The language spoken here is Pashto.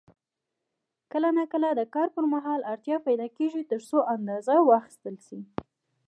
کله نا کله د کار پر مهال اړتیا پیدا کېږي ترڅو اندازه واخیستل شي.